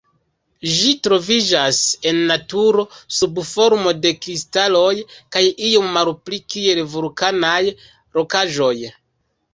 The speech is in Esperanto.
Ĝi troviĝas en naturo sub formo de kristaloj kaj iom malpli kiel vulkanaj rokaĵoj.